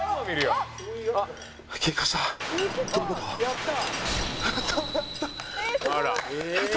やったー！